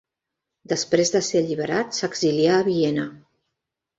Després de ser alliberat s'exilià a Viena.